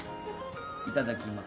いただきます。